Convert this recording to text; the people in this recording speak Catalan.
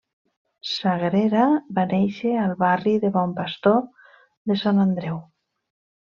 Sagrera va néixer al barri de Bon Pastor de Sant Andreu.